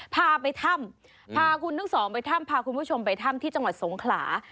พาไปถ้ำพาคุณทั้งสองไปถ้ำพาคุณผู้ชมไปถ้ำที่จังหวัดสงขลา